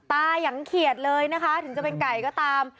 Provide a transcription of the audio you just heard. ยังเขียดเลยนะคะถึงจะเป็นไก่ก็ตาม